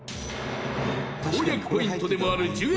攻略ポイントでもある１０円